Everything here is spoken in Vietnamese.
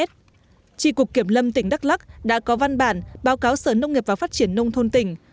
tri cục kiểm lâm tỉnh đắk lắc đã có văn bản báo cáo sở nông nghiệp và phát triển nông thôn tỉnh